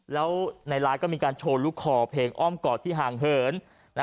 แล้วในไลน์ก็มีการโชว์ลูกคอเพลงอ้อมกอดที่ห่างเหิน